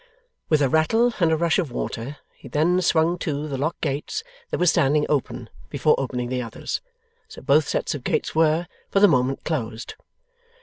With a rattle and a rush of water, he then swung to the lock gates that were standing open, before opening the others. So, both sets of gates were, for the moment, closed.